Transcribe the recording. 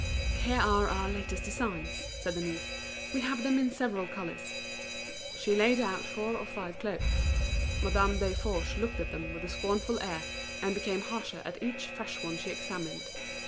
"Here are our latest designs," said Denise. "We have them in several colours." She laid out four or five cloaks. Madame Desforges looked at them with a scornful air, and became harsher at each fresh one she examined.